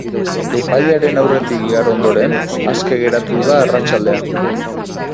Epailearen aurretik igaro ondoren, aske geratu da arratsaldean.